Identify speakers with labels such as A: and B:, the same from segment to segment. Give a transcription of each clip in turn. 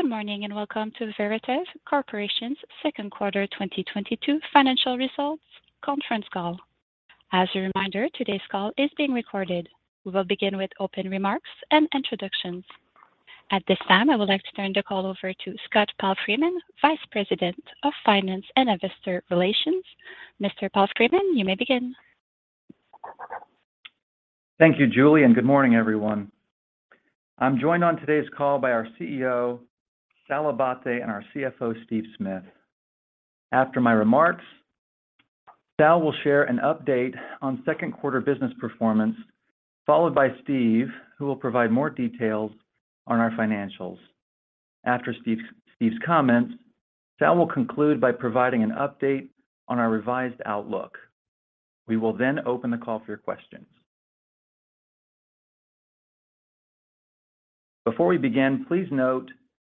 A: Good morning, and welcome to Veritiv Corporation's Second Quarter 2022 Financial Results Conference Call. As a reminder, today's call is being recorded. We will begin with open remarks and introductions. At this time, I would like to turn the call over to Scott Palfreeman, Vice President of Finance and Investor Relations. Mr. Palfreeman, you may begin.
B: Thank you, Julie, and good morning, everyone. I'm joined on today's call by our CEO, Sal Abbate, and our CFO, Steve Smith. After my remarks, Sal will share an update on second quarter business performance, followed by Steve, who will provide more details on our financials. After Steve's comments, Sal will conclude by providing an update on our revised outlook. We will then open the call for your questions. Before we begin, please note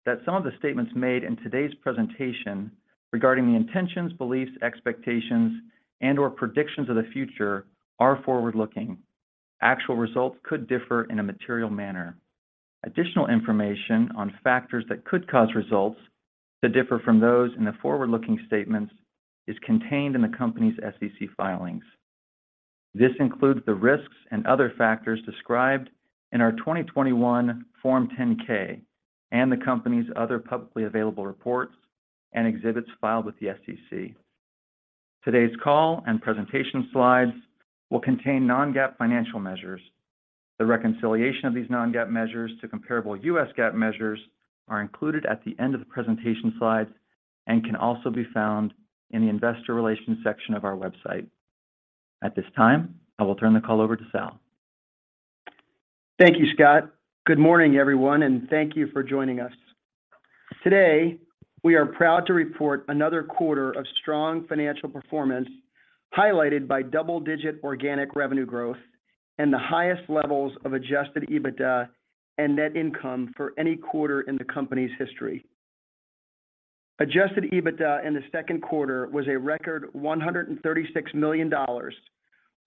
B: that some of the statements made in today's presentation regarding the intentions, beliefs, expectations, and/or predictions of the future are forward-looking. Actual results could differ in a material manner. Additional information on factors that could cause results to differ from those in the forward-looking statements is contained in the company's SEC filings. This includes the risks and other factors described in our 2021 Form 10-K and the company's other publicly available reports and exhibits filed with the SEC. Today's call and presentation slides will contain non-GAAP financial measures. The reconciliation of these non-GAAP measures to comparable U.S. GAAP measures are included at the end of the presentation slides and can also be found in the investor relations section of our website. At this time, I will turn the call over to Sal.
C: Thank you, Scott. Good morning, everyone, and thank you for joining us. Today, we are proud to report another quarter of strong financial performance, highlighted by double-digit organic revenue growth and the highest levels of Adjusted EBITDA and net income for any quarter in the company's history. Adjusted EBITDA in the second quarter was a record $136 million,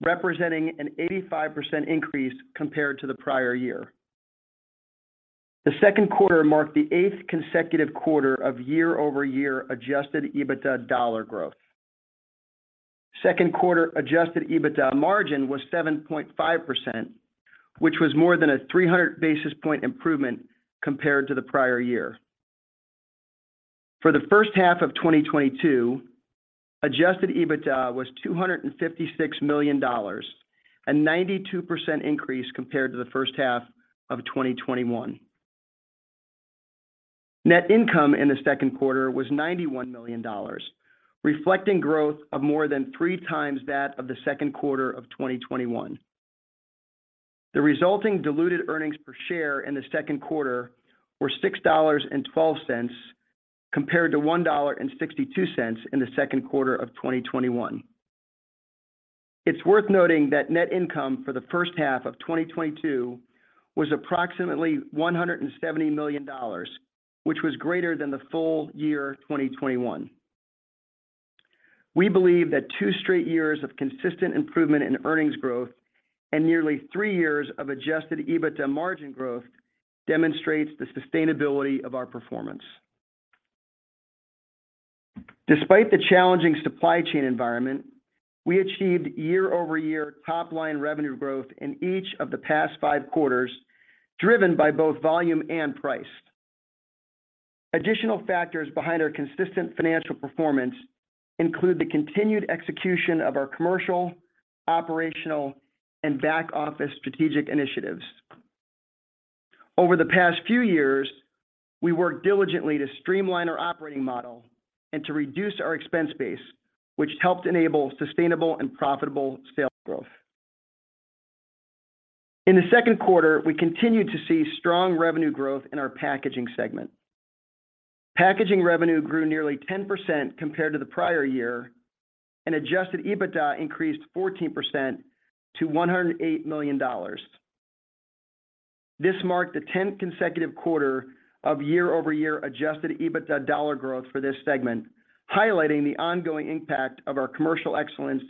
C: representing an 85% increase compared to the prior year. The second quarter marked the eighth consecutive quarter of year-over-year Adjusted EBITDA dollar growth. Second quarter Adjusted EBITDA margin was 7.5%, which was more than a 300 basis point improvement compared to the prior year. For the first half of 2022, Adjusted EBITDA was $256 million, a 92% increase compared to the first half of 2021. Net income in the second quarter was $91 million, reflecting growth of more than three times that of the second quarter of 2021. The resulting diluted earnings per share in the second quarter were $6.12 compared to $1.62 in the second quarter of 2021. It's worth noting that net income for the first half of 2022 was approximately $170 million, which was greater than the full year 2021. We believe that two straight years of consistent improvement in earnings growth and nearly three years of Adjusted EBITDA margin growth demonstrates the sustainability of our performance. Despite the challenging supply chain environment, we achieved year-over-year top-line revenue growth in each of the past five quarters, driven by both volume and price. Additional factors behind our consistent financial performance include the continued execution of our commercial, operational, and back-office strategic initiatives. Over the past few years, we worked diligently to streamline our operating model and to reduce our expense base, which helped enable sustainable and profitable sales growth. In the second quarter, we continued to see strong revenue growth in our packaging segment. Packaging revenue grew nearly 10% compared to the prior year, and Adjusted EBITDA increased 14% to $108 million. This marked the 10th consecutive quarter of year-over-year Adjusted EBITDA dollar growth for this segment, highlighting the ongoing impact of our commercial excellence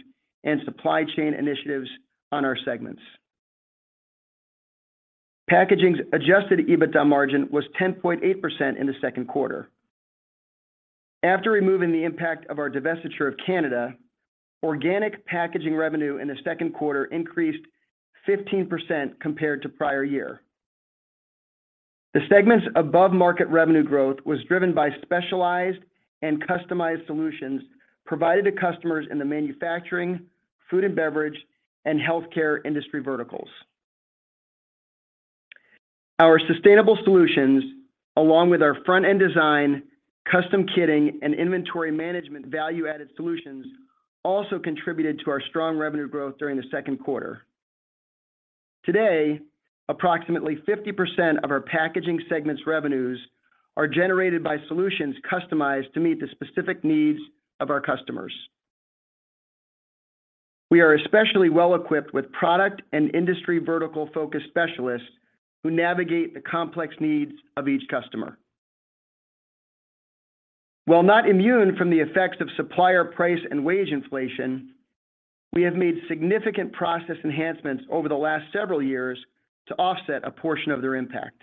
C: and supply chain initiatives on our segments. Packaging's Adjusted EBITDA margin was 10.8% in the second quarter. After removing the impact of our divestiture of Canada, organic packaging revenue in the second quarter increased 15% compared to prior year. The segment's above-market revenue growth was driven by specialized and customized solutions provided to customers in the manufacturing, food and beverage, and healthcare industry verticals. Our sustainable solutions, along with our front-end design, custom kitting, and inventory management value-added solutions, also contributed to our strong revenue growth during the second quarter. Today, approximately 50% of our packaging segment's revenues are generated by solutions customized to meet the specific needs of our customers. We are especially well-equipped with product and industry vertical-focused specialists who navigate the complex needs of each customer. While not immune from the effects of supplier price and wage inflation, we have made significant process enhancements over the last several years to offset a portion of their impact.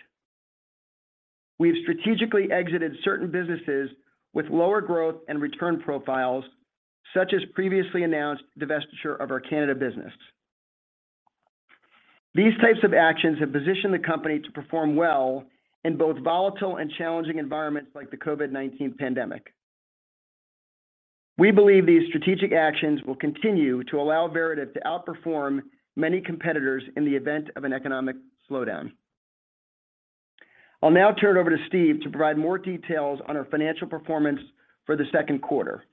C: We have strategically exited certain businesses with lower growth and return profiles, such as previously announced divestiture of our Canada business. These types of actions have positioned the company to perform well in both volatile and challenging environments like the COVID-19 pandemic. We believe these strategic actions will continue to allow Veritiv to outperform many competitors in the event of an economic slowdown. I'll now turn it over to Steve to provide more details on our financial performance for the second quarter.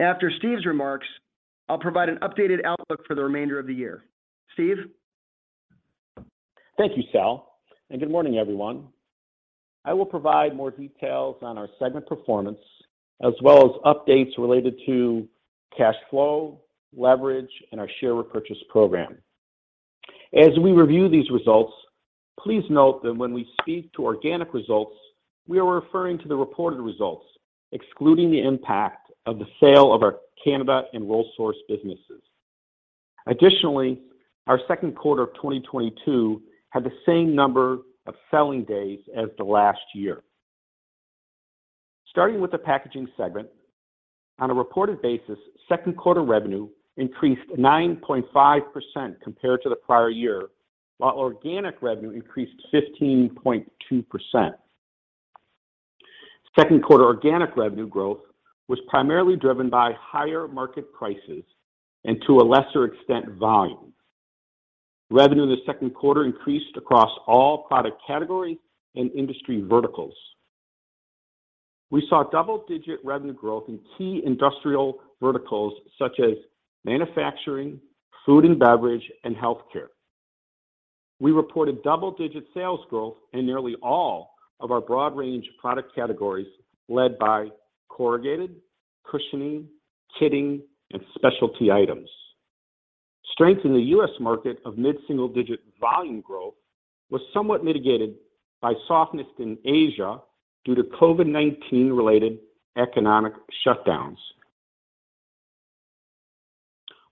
C: After Steve's remarks, I'll provide an updated outlook for the remainder of the year. Steve?
D: Thank you, Sal, and good morning, everyone. I will provide more details on our segment performance, as well as updates related to cash flow, leverage, and our share repurchase program. As we review these results, please note that when we speak to organic results, we are referring to the reported results, excluding the impact of the sale of our Canada and WorldSource businesses. Additionally, our second quarter of 2022 had the same number of selling days as the last year. Starting with the packaging segment, on a reported basis, second quarter revenue increased 9.5% compared to the prior year, while organic revenue increased 15.2%. Second quarter organic revenue growth was primarily driven by higher market prices and to a lesser extent, volume. Revenue in the second quarter increased across all product category and industry verticals. We saw double-digit revenue growth in key industrial verticals such as manufacturing, food and beverage, and healthcare. We reported double-digit sales growth in nearly all of our broad range of product categories led by corrugated, cushioning, kitting, and specialty items. Strength in the U.S. market of mid-single digit volume growth was somewhat mitigated by softness in Asia due to COVID-19 related economic shutdowns.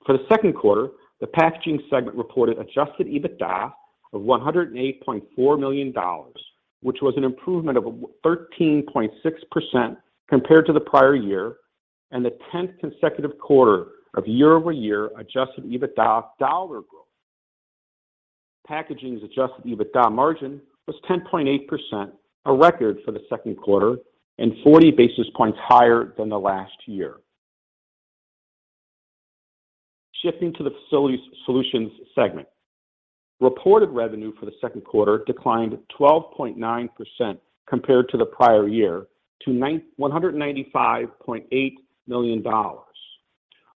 D: For the second quarter, the packaging segment reported Adjusted EBITDA of $108.4 million, which was an improvement of 13.6% compared to the prior year and the tenth consecutive quarter of year-over-year Adjusted EBITDA dollar growth. Packaging's Adjusted EBITDA margin was 10.8%, a record for the second quarter, and 40 basis points higher than the last year. Shifting to the Facility Solutions segment. Reported revenue for the second quarter declined 12.9% compared to the prior year to $995.8 million.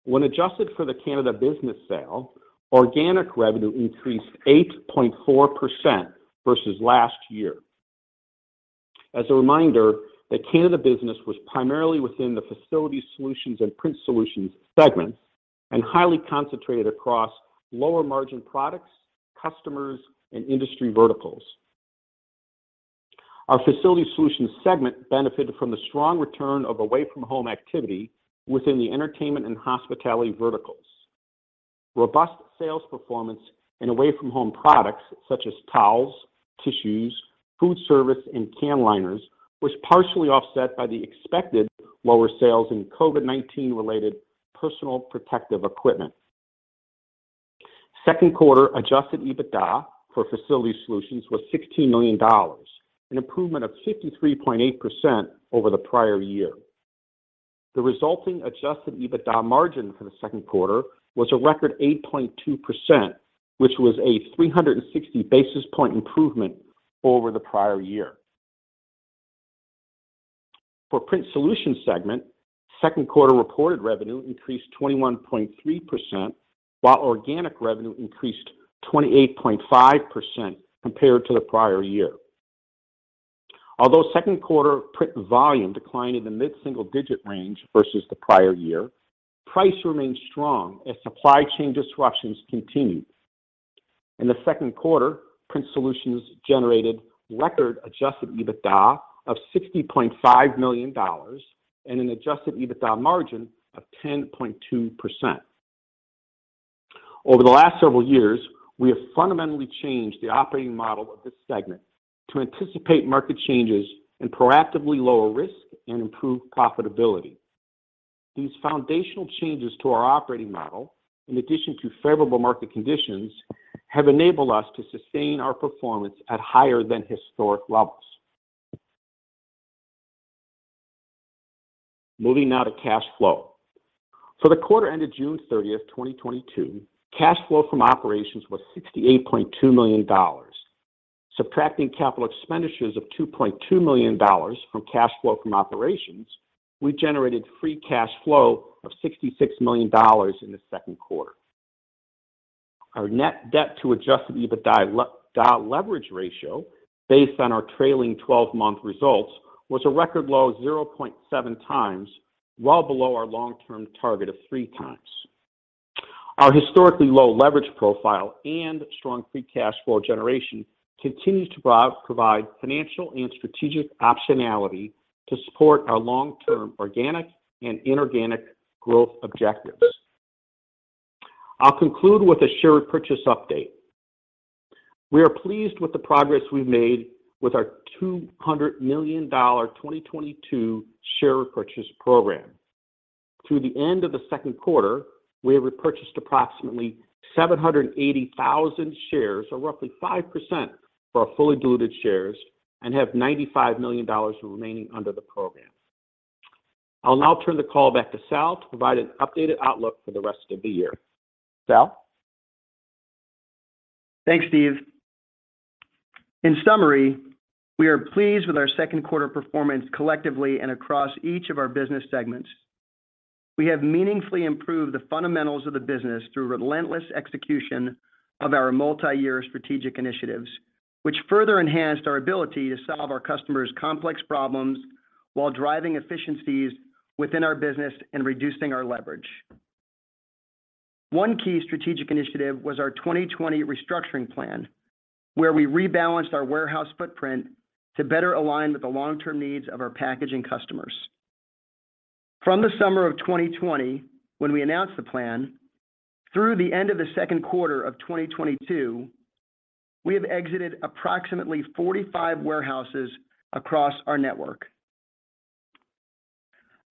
D: When adjusted for the Canada business sale, organic revenue increased 8.4% versus last year. As a reminder, the Canada business was primarily within the Facility Solutions and Print Solutions segments and highly concentrated across lower-margin products, customers, and industry verticals. Our Facility Solutions segment benefited from the strong return of away from home activity within the entertainment and hospitality verticals. Robust sales performance in away from home products such as towels, tissues, food service, and can liners was partially offset by the expected lower sales in COVID-19 related personal protective equipment. Second quarter adjusted EBITDA for Facility Solutions was $16 million, an improvement of 53.8% over the prior year. The resulting Adjusted EBITDA margin for the second quarter was a record 8.2%, which was a 360 basis points improvement over the prior year. For Print Solutions segment, second quarter reported revenue increased 21.3%, while organic revenue increased 28.5% compared to the prior year. Although second quarter print volume declined in the mid-single digit range versus the prior year, price remained strong as supply chain disruptions continued. In the second quarter, Print Solutions generated record Adjusted EBITDA of $60.5 million and an Adjusted EBITDA margin of 10.2%. Over the last several years, we have fundamentally changed the operating model of this segment to anticipate market changes and proactively lower risk and improve profitability. These foundational changes to our operating model, in addition to favorable market conditions, have enabled us to sustain our performance at higher than historic levels. Moving now to cash flow. For the quarter ended June 30th, 2022, cash flow from operations was $68.2 million. Subtracting capital expenditures of $2.2 million from cash flow from operations, we generated free cash flow of $66 million in the second quarter. Our net debt to Adjusted EBITDA leverage ratio based on our trailing twelve-month results, was a record low of 0.7x, well below our long-term target of 3x. Our historically low leverage profile and strong free cash flow generation continues to provide financial and strategic optionality to support our long-term organic and inorganic growth objectives. I'll conclude with a share repurchase update. We are pleased with the progress we've made with our $200 million 2022 share repurchase program. Through the end of the second quarter, we have repurchased approximately 780,000 shares, or roughly 5% of our fully diluted shares, and have $95 million remaining under the program. I'll now turn the call back to Sal to provide an updated outlook for the rest of the year. Sal?
C: Thanks, Steve. In summary, we are pleased with our second quarter performance collectively and across each of our business segments. We have meaningfully improved the fundamentals of the business through relentless execution of our multi-year strategic initiatives, which further enhanced our ability to solve our customers' complex problems while driving efficiencies within our business and reducing our leverage. One key strategic initiative was our 2020 restructuring plan, where we rebalanced our warehouse footprint to better align with the long-term needs of our packaging customers. From the summer of 2020, when we announced the plan, through the end of the second quarter of 2022, we have exited approximately 45 warehouses across our network.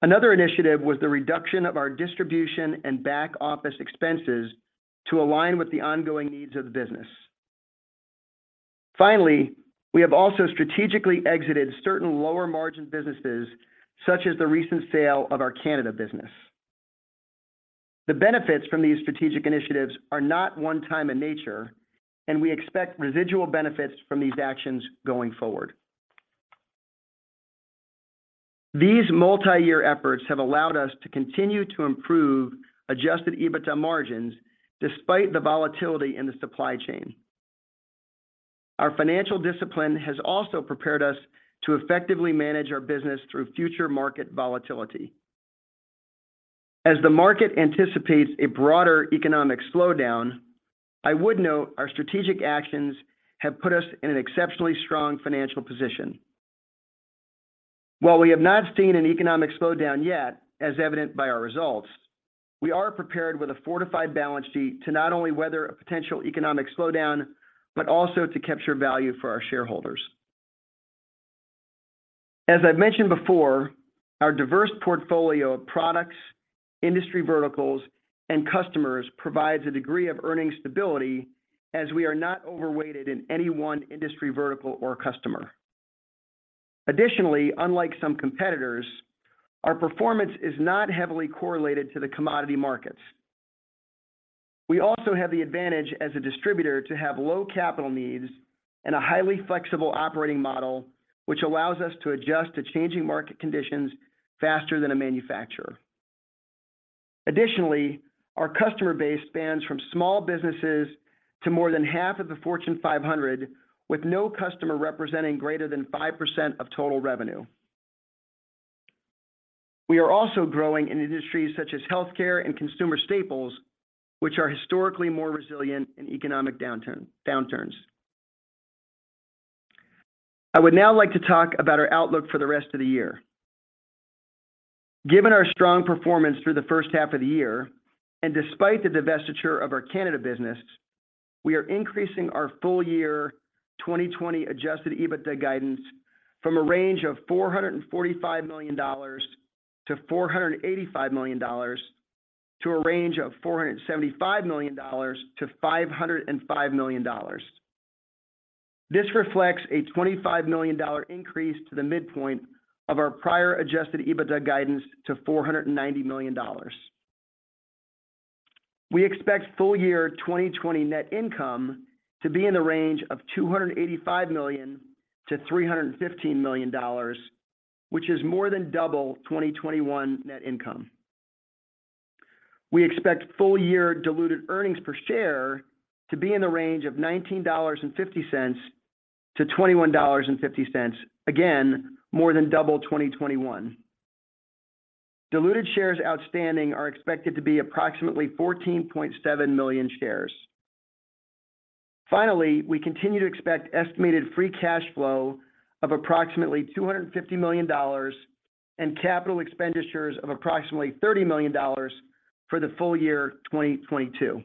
C: Another initiative was the reduction of our distribution and back-office expenses to align with the ongoing needs of the business. Finally, we have also strategically exited certain lower margin businesses, such as the recent sale of our Canada business. The benefits from these strategic initiatives are not one time in nature, and we expect residual benefits from these actions going forward. These multi-year efforts have allowed us to continue to improve Adjusted EBITDA margins despite the volatility in the supply chain. Our financial discipline has also prepared us to effectively manage our business through future market volatility. As the market anticipates a broader economic slowdown, I would note our strategic actions have put us in an exceptionally strong financial position. While we have not seen an economic slowdown yet, as evidenced by our results, we are prepared with a fortified balance sheet to not only weather a potential economic slowdown, but also to capture value for our shareholders. As I've mentioned before, our diverse portfolio of products, industry verticals, and customers provides a degree of earnings stability as we are not overweighted in any one industry vertical or customer. Additionally, unlike some competitors, our performance is not heavily correlated to the commodity markets. We also have the advantage as a distributor to have low capital needs and a highly flexible operating model, which allows us to adjust to changing market conditions faster than a manufacturer. Additionally, our customer base spans from small businesses to more than half of the Fortune 500, with no customer representing greater than 5% of total revenue. We are also growing in industries such as healthcare and consumer staples, which are historically more resilient in economic downturns. I would now like to talk about our outlook for the rest of the year. Given our strong performance through the first half of the year, and despite the divestiture of our Canada business, we are increasing our full-year 2020 Adjusted EBITDA guidance from a range of $445 million-$485 million to a range of $475 million-$505 million. This reflects a $25 million increase to the midpoint of our prior Adjusted EBITDA guidance to $490 million. We expect full-year 2020 net income to be in the range of $285 million-$315 million, which is more than double 2021 net income. We expect full year diluted earnings per share to be in the range of $19.50-$21.50, again, more than double 2021. Diluted shares outstanding are expected to be approximately 14.7 million shares. Finally, we continue to expect estimated free cash flow of approximately $250 million and capital expenditures of approximately $30 million for the full year 2022.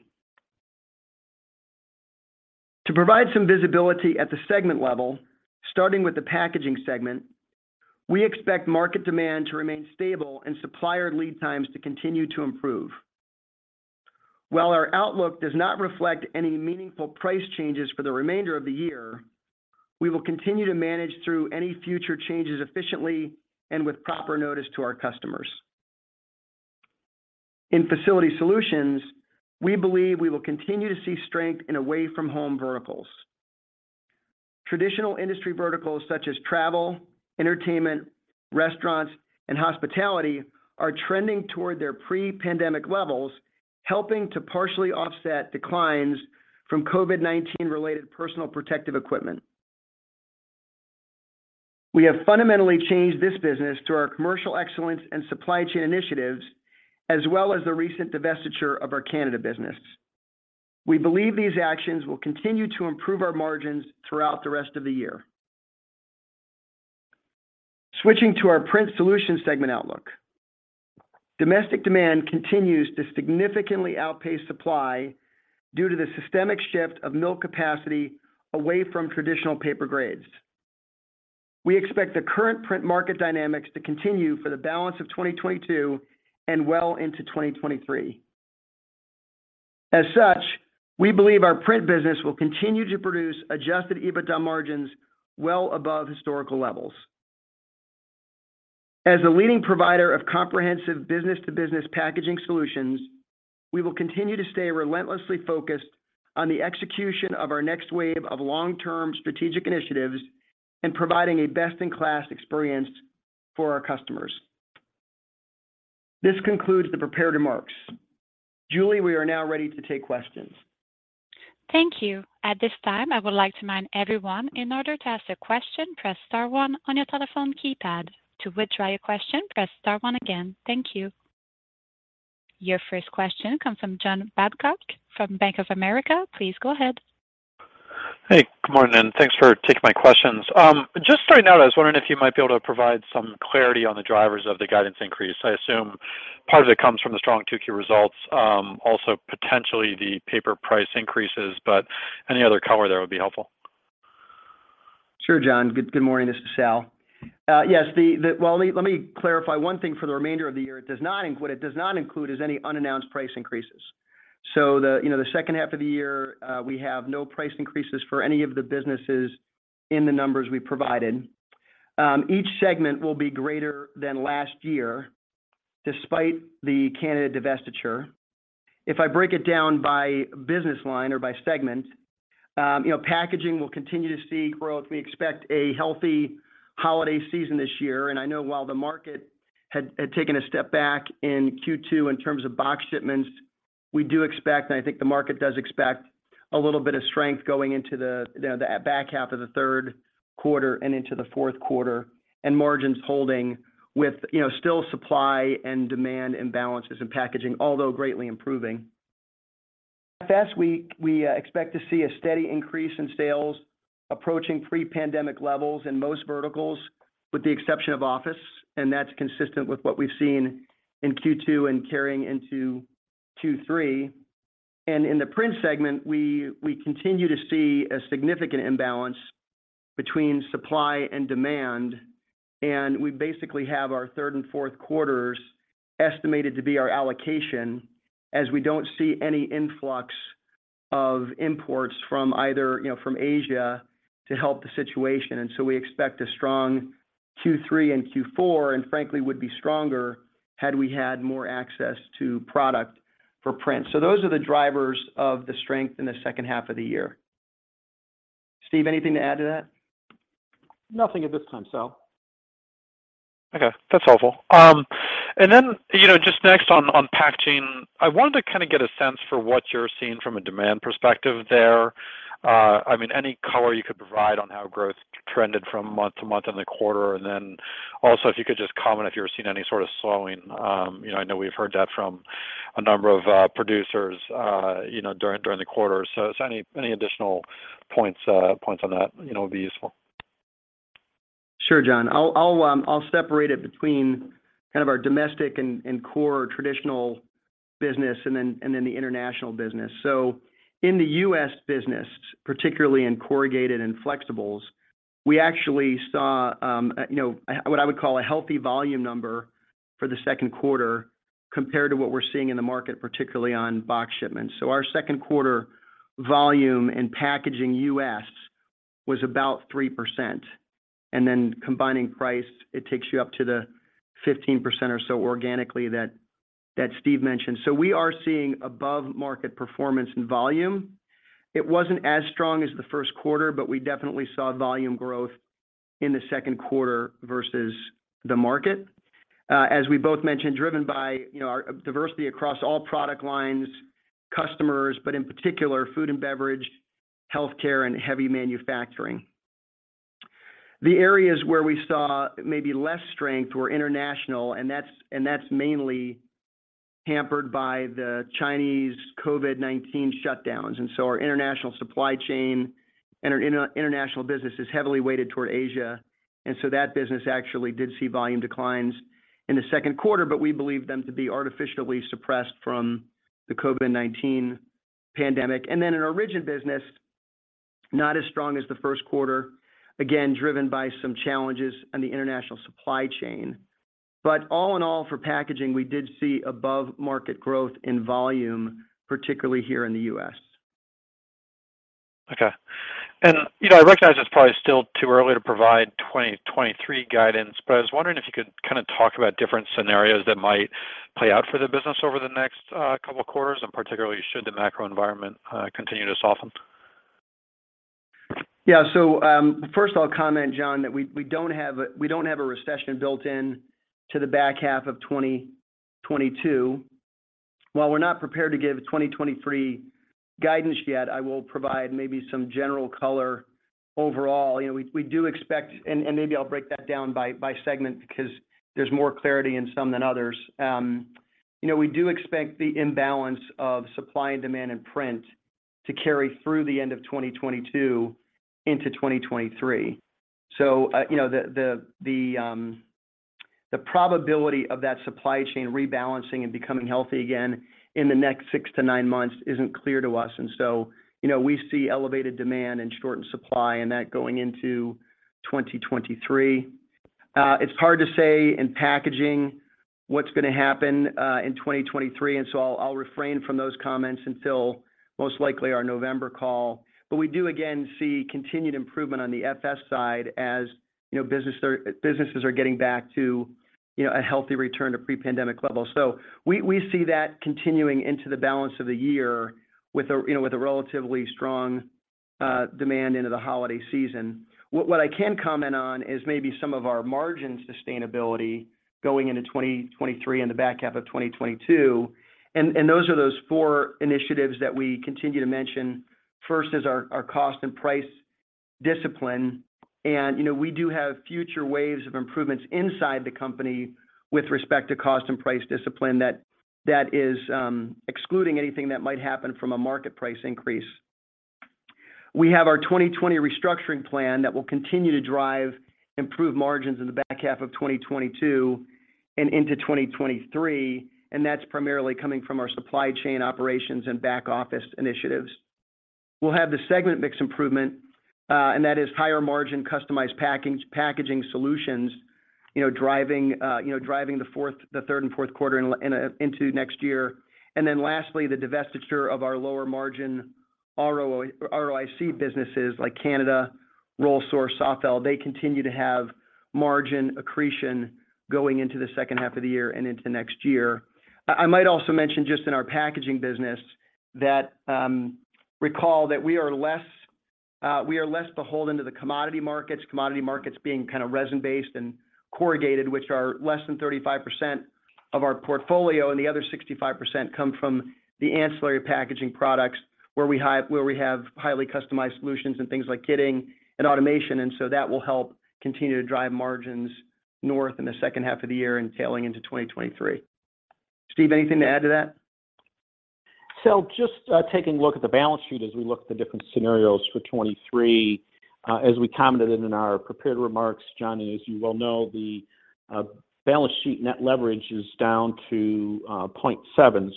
C: To provide some visibility at the segment level, starting with the packaging segment, we expect market demand to remain stable and supplier lead times to continue to improve. While our outlook does not reflect any meaningful price changes for the remainder of the year, we will continue to manage through any future changes efficiently and with proper notice to our customers. In Facility Solutions, we believe we will continue to see strength in away-from-home verticals. Traditional industry verticals such as travel, entertainment, restaurants, and hospitality are trending toward their pre-pandemic levels, helping to partially offset declines from COVID-19-related personal protective equipment. We have fundamentally changed this business through our commercial excellence and supply chain initiatives, as well as the recent divestiture of our Canada business. We believe these actions will continue to improve our margins throughout the rest of the year. Switching to our Print Solutions segment outlook. Domestic demand continues to significantly outpace supply due to the systemic shift of mill capacity away from traditional paper grades. We expect the current print market dynamics to continue for the balance of 2022 and well into 2023. As such, we believe our print business will continue to produce Adjusted EBITDA margins well above historical levels. As a leading provider of comprehensive business-to-business packaging solutions, we will continue to stay relentlessly focused on the execution of our next wave of long-term strategic initiatives and providing a best-in-class experience for our customers. This concludes the prepared remarks. Julie, we are now ready to take questions.
A: Thank you. At this time, I would like to remind everyone, in order to ask a question, press star one on your telephone keypad. To withdraw your question, press star one again. Thank you. Your first question comes from John Babcock from Bank of America. Please go ahead.
E: Hey, good morning, and thanks for taking my questions. Just starting out, I was wondering if you might be able to provide some clarity on the drivers of the guidance increase. I assume part of it comes from the strong Q2 results, also potentially the paper price increases, but any other color there would be helpful.
C: Sure, John. Good morning. This is Sal. Yes. Well, let me clarify one thing for the remainder of the year. What it does not include is any unannounced price increases. You know, the second half of the year, we have no price increases for any of the businesses in the numbers we provided. Each segment will be greater than last year despite the Canada divestiture. If I break it down by business line or by segment, you know, packaging will continue to see growth. We expect a healthy holiday season this year. I know while the market had taken a step back in Q2 in terms of box shipments, we do expect, and I think the market does expect, a little bit of strength going into the back half of the third quarter and into the fourth quarter, and margins holding with, you know, still supply and demand imbalances in packaging, although greatly improving. This week, we expect to see a steady increase in sales approaching pre-pandemic levels in most verticals, with the exception of office, and that's consistent with what we've seen in Q2 and carrying into Q3. In the print segment, we continue to see a significant imbalance between supply and demand, and we basically have our third and fourth quarters estimated to be our allocation as we don't see any influx of imports from either, you know, from Asia to help the situation. We expect a strong Q3 and Q4, and frankly, would be stronger had we had more access to product for print. Those are the drivers of the strength in the second half of the year. Steve, anything to add to that?
D: Nothing at this time, Sal.
E: Okay. That's helpful. You know, just next on packaging, I wanted to kind of get a sense for what you're seeing from a demand perspective there. I mean, any color you could provide on how growth trended from month to month in the quarter, and then also if you could just comment if you were seeing any sort of slowing. You know, I know we've heard that from a number of producers, you know, during the quarter. Just any additional points on that, you know, would be useful.
C: Sure, John. I'll separate it between kind of our domestic and core traditional business and then the international business. In the U.S. business, particularly in corrugated and flexibles, we actually saw, you know, what I would call a healthy volume number for the second quarter compared to what we're seeing in the market, particularly on box shipments. Our second quarter volume in packaging, U.S. was about 3%. Then combining price, it takes you up to the 15% or so organically that Steve mentioned. We are seeing above-market performance in volume. It wasn't as strong as the first quarter, but we definitely saw volume growth in the second quarter versus the market. As we both mentioned, driven by, you know, our diversity across all product lines, customers, but in particular food and beverage, healthcare, and heavy manufacturing. The areas where we saw maybe less strength were international, and that's mainly hampered by the Chinese COVID-19 shutdowns. Our international supply chain and our international business is heavily weighted toward Asia. That business actually did see volume declines in the second quarter, but we believe them to be artificially suppressed from the COVID-19 pandemic. In our regional business, not as strong as the first quarter, again, driven by some challenges in the international supply chain. All in all, for packaging, we did see above-market growth in volume, particularly here in the U.S.
E: Okay. You know, I recognize it's probably still too early to provide 2023 guidance, but I was wondering if you could kind of talk about different scenarios that might play out for the business over the next couple quarters, and particularly should the macro environment continue to soften?
C: Yeah. First I'll comment, John, that we don't have a recession built in to the back half of 2022. Well, we're not prepared to give 2023 guidance yet. I will provide maybe some general color overall. You know, we do expect. Maybe I'll break that down by segment because there's more clarity in some than others. You know, we do expect the imbalance of supply and demand in print to carry through the end of 2022 into 2023. You know, the probability of that supply chain rebalancing and becoming healthy again in the next six to nine months isn't clear to us. You know, we see elevated demand and shortened supply, and that going into 2023. It's hard to say in packaging what's gonna happen in 2023, so I'll refrain from those comments until most likely our November call. We do again see continued improvement on the FS side as, you know, businesses are getting back to, you know, a healthy return to pre-pandemic levels. We see that continuing into the balance of the year with a relatively strong demand into the holiday season. What I can comment on is maybe some of our margin sustainability going into 2023 and the back half of 2022. Those are four initiatives that we continue to mention. First is our cost and price discipline. You know, we do have future waves of improvements inside the company with respect to cost and price discipline that is excluding anything that might happen from a market price increase. We have our 2020 restructuring plan that will continue to drive improved margins in the back half of 2022 and into 2023, and that's primarily coming from our supply chain operations and back office initiatives. We'll have the segment mix improvement, and that is higher margin customized packaging solutions, you know, driving the third and fourth quarters into next year. Lastly, the divestiture of our lower margin ROIC businesses like Canada, Rollsource, Saalfeld. They continue to have margin accretion going into the second half of the year and into next year. I might also mention just in our packaging business that recall that we are less beholden to the commodity markets. Commodity markets being kind of resin-based and corrugated, which are less than 35% of our portfolio, and the other 65% come from the ancillary packaging products where we have highly customized solutions and things like kitting and automation. That will help continue to drive margins north in the second half of the year and trailing into 2023. Steve, anything to add to that?
D: Sal, just taking a look at the balance sheet as we look at the different scenarios for 2023. As we commented in our prepared remarks, John, and as you well know, the balance sheet net leverage is down to 0.7.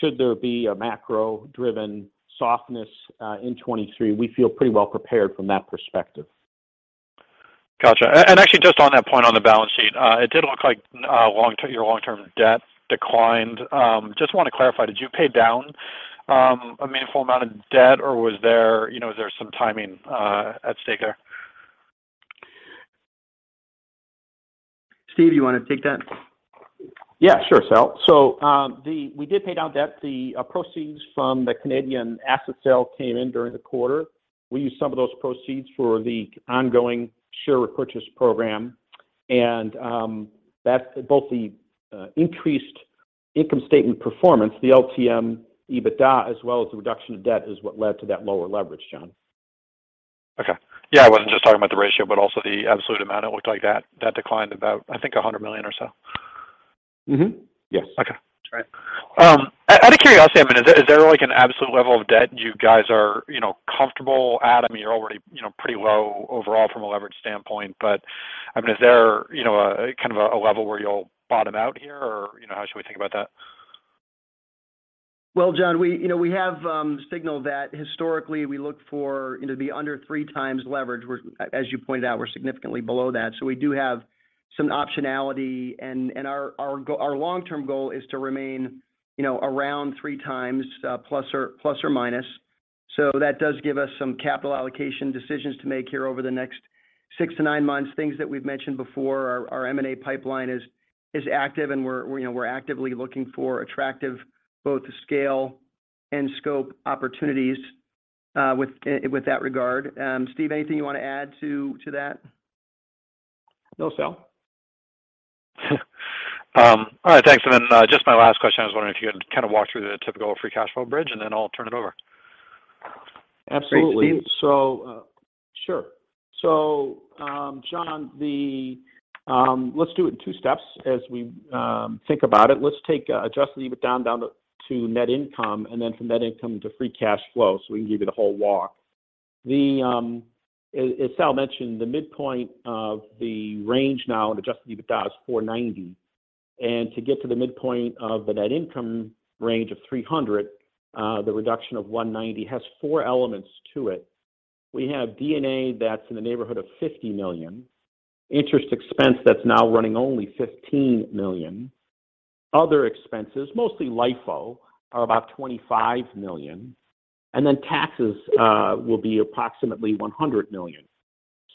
D: Should there be a macro-driven softness in 2023, we feel pretty well prepared from that perspective.
E: Gotcha. Actually just on that point on the balance sheet, it did look like your long-term debt declined. Just wanna clarify, did you pay down a meaningful amount of debt, or was there, you know, is there some timing at stake there?
C: Steve, you wanna take that?
D: Yeah, sure, Sal. We did pay down debt. The proceeds from the Canadian asset sale came in during the quarter. We used some of those proceeds for the ongoing share repurchase program. That's both the increased income statement performance, the LTM EBITDA, as well as the reduction of debt is what led to that lower leverage, John.
E: Okay. Yeah, I wasn't just talking about the ratio, but also the absolute amount. It looked like that declined about, I think, $100 million or so.
D: Yes.
E: Okay.
D: That's right.
E: Out of curiosity, I mean, is there like an absolute level of debt you guys are, you know, comfortable at? I mean, you're already, you know, pretty low overall from a leverage standpoint. I mean, is there, you know, a kind of a level where you'll bottom out here or, you know, how should we think about that?
C: Well, John, we, you know, we have signaled that historically we look for, you know, to be under 3x leverage. As you pointed out, we're significantly below that. We do have some optionality and our long-term goal is to remain, you know, around 3x, plus or minus. That does give us some capital allocation decisions to make here over the next six to nine months. Things that we've mentioned before. Our M&A pipeline is active and we're, you know, actively looking for attractive, both scale and scope opportunities with that regard. Steve, anything you wanna add to that?
D: No, Sal.
E: All right, thanks. Just my last question, I was wondering if you could kind of walk through the typical free cash flow bridge, and then I'll turn it over.
D: Absolutely.
C: Great, Steve.
D: Sure. John, let's do it in two steps as we think about it. Let's take Adjusted EBITDA down to net income, and then from net income to free cash flow, so we can give you the whole walk. As Sal mentioned, the midpoint of the range now in Adjusted EBITDA is $490 million. To get to the midpoint of the net income range of $300 million, the reduction of $190 million has four elements to it. We have D&A that's in the neighborhood of $50 million, interest expense that's now running only $15 million. Other expenses, mostly LIFO, are about $25 million. Taxes will be approximately $100 million.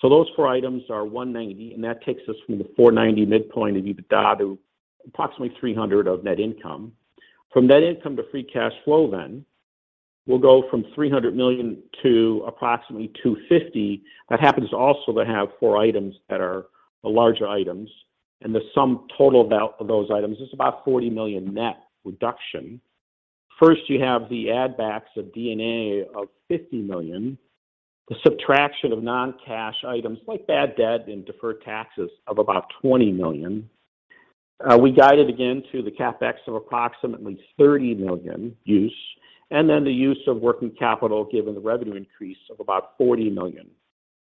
D: Those four items are $190 million, and that takes us from the $490 million midpoint of EBITDA to approximately $300 million of net income. From net income to free cash flow. We'll go from $300 million to approximately $250 million. That happens also to have four items that are the larger items, and the sum total of that of those items is about $40 million net reduction. First, you have the add backs of D&A of $50 million. The subtraction of non-cash items like bad debt and deferred taxes of about $20 million. We guided again to the CapEx of approximately $30 million use, and then the use of working capital, given the revenue increase of about $40 million.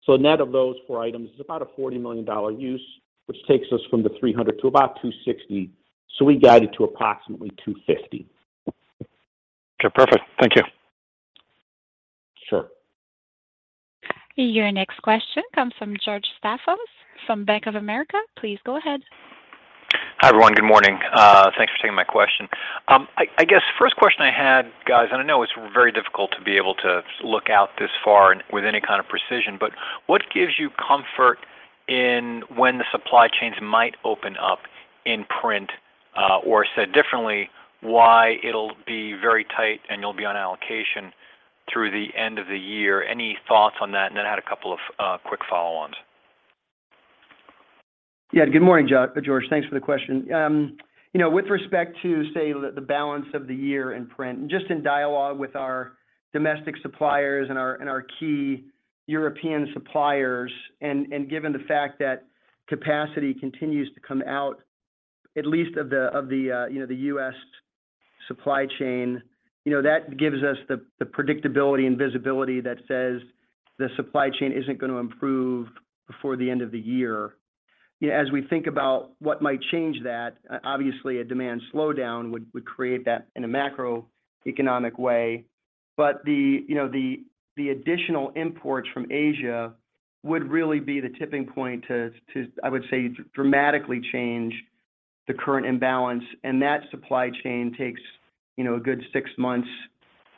D: Net of those four items is about a $40 million use, which takes us from the $300 million to about $260 million. We guide it to approximately $250 million.
E: Okay, perfect. Thank you.
D: Sure.
A: Your next question comes from George Staphos from Bank of America. Please go ahead.
F: Hi, everyone. Good morning. Thanks for taking my question. I guess first question I had, guys, and I know it's very difficult to be able to look out this far and with any kind of precision, but what gives you comfort in when the supply chains might open up in print? Or said differently, why it'll be very tight and you'll be on allocation through the end of the year. Any thoughts on that? Then I had a couple of quick follow-ons.
C: Yeah. Good morning, George. Thanks for the question. You know, with respect to, say, the balance of the year in print, and just in dialogue with our domestic suppliers and our key European suppliers, and given the fact that capacity continues to come out at least of the U.S. supply chain. You know, that gives us the predictability and visibility that says the supply chain isn't gonna improve before the end of the year. You know, as we think about what might change that, obviously, a demand slowdown would create that in a macroeconomic way. But the additional imports from Asia would really be the tipping point to, I would say, dramatically change the current imbalance. That supply chain takes, you know, a good six months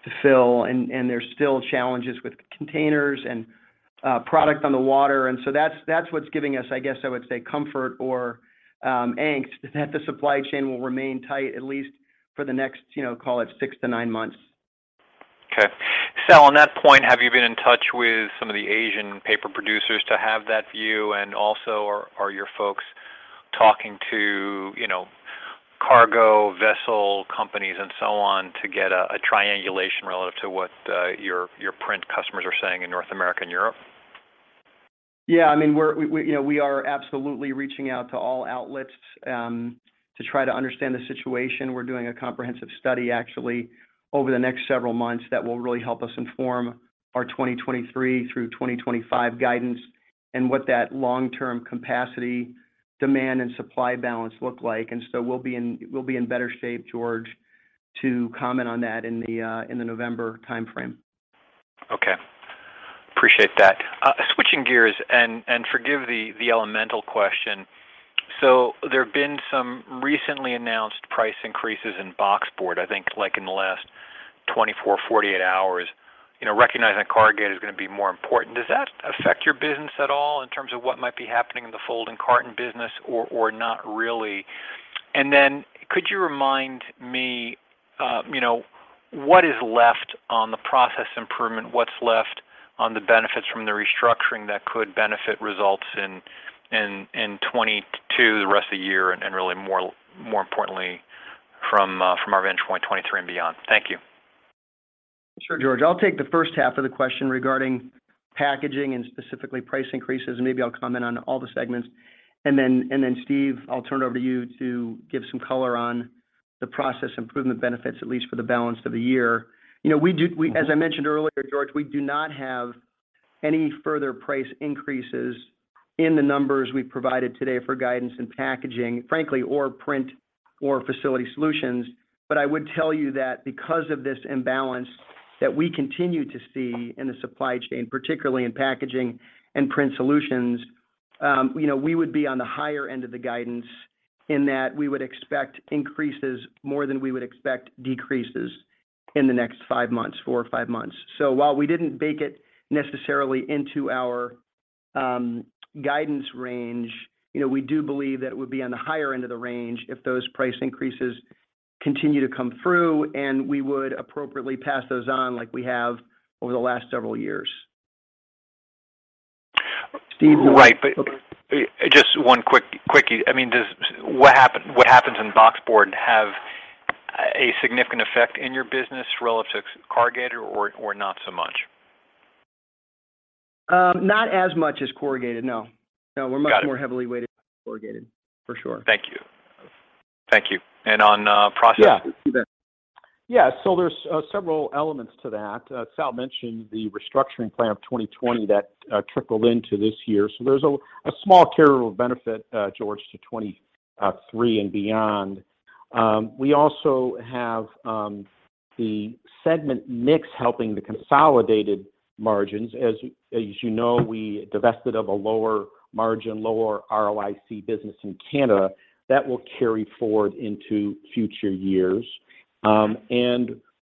C: to fill, and there's still challenges with containers and product on the water. That's what's giving us, I guess, I would say, comfort or angst that the supply chain will remain tight, at least for the next, you know, call it six to nine months.
F: Okay. Sal, on that point, have you been in touch with some of the Asian paper producers to have that view? Also, are your folks talking to, you know, cargo vessel companies and so on to get a triangulation relative to what your print customers are saying in North America and Europe?
C: Yeah. I mean, we you know, we are absolutely reaching out to all outlets to try to understand the situation. We're doing a comprehensive study actually over the next several months that will really help us inform our 2023 through 2025 guidance and what that long-term capacity demand and supply balance look like. We'll be in better shape, George, to comment on that in the November timeframe.
F: Okay. Appreciate that. Switching gears, forgive the elemental question. There have been some recently announced price increases in boxboard, I think, like in the last 24, 48 hours. You know, recognizing that corrugated is gonna be more important, does that affect your business at all in terms of what might be happening in the folding carton business or not really? Then could you remind me, you know, what is left on the process improvement, what's left on the benefits from the restructuring that could benefit results in 2022, the rest of the year and really more importantly from our vantage point 2023 and beyond? Thank you.
C: Sure, George. I'll take the first half of the question regarding packaging and specifically price increases, and maybe I'll comment on all the segments. Steve, I'll turn it over to you to give some color on the process improvement benefits, at least for the balance of the year. You know, we do
F: Okay
C: As I mentioned earlier, George, we do not have any further price increases in the numbers we've provided today for guidance and packaging, frankly, or print or facility solutions. I would tell you that because of this imbalance that we continue to see in the supply chain, particularly in packaging and print solutions, you know, we would be on the higher end of the guidance in that we would expect increases more than we would expect decreases in the next five months, four or five months. While we didn't bake it necessarily into our guidance range, you know, we do believe that it would be on the higher end of the range if those price increases continue to come through, and we would appropriately pass those on like we have over the last several years. Steve
F: Right.
C: Okay.
F: Just one quickie. I mean, what happens in boxboard have a significant effect in your business relative to corrugated or not so much?
C: Not as much as corrugated, no. No.
F: Got it.
C: We're much more heavily weighted corrugated, for sure.
F: Thank you. On process.
D: Yeah.
C: Steve.
D: Yeah. There's several elements to that. Sal mentioned the restructuring plan of 2020 that trickled into this year. There's a small carryover benefit, George, to 2023 and beyond. We also have the segment mix helping the consolidated margins. As you know, we divested of a lower margin, lower ROIC business in Canada. That will carry forward into future years.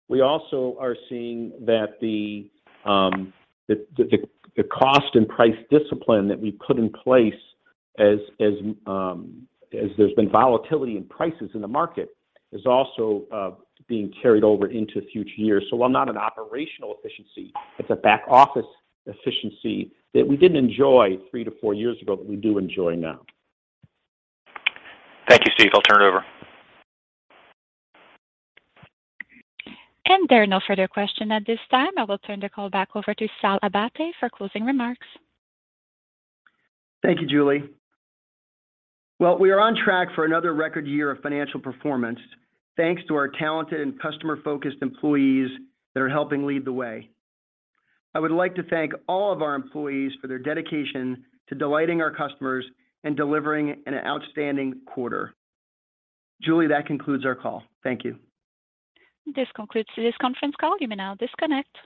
D: We also are seeing that the cost and price discipline that we put in place as there's been volatility in prices in the market is also being carried over into future years. While not an operational efficiency, it's a back office efficiency that we didn't enjoy three to four years ago, but we do enjoy now.
F: Thank you, Steve. I'll turn it over.
A: There are no further questions at this time. I will turn the call back over to Sal Abbate for closing remarks.
C: Thank you, Julie. Well, we are on track for another record year of financial performance, thanks to our talented and customer-focused employees that are helping lead the way. I would like to thank all of our employees for their dedication to delighting our customers and delivering an outstanding quarter. Julie, that concludes our call. Thank you.
A: This concludes this conference call. You may now disconnect.